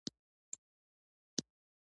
ځغاسته د خپل ځان پېژندنې لار ده